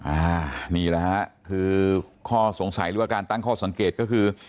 อ่านี่แหละฮะคือข้อสงสัยหรือว่าการตั้งข้อสังเกตก็คือ